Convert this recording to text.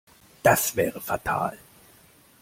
Das wäre fatal.